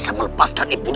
kamu harus berjanji